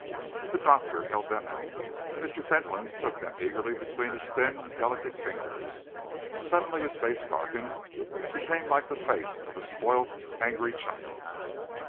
The doctor held them out. Mr. Fentolin took them eagerly between his thin, delicate fingers. Suddenly his face darkened, and became like the face of a spoilt and angry child.